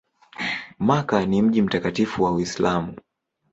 Makka ni mji mtakatifu wa Uislamu.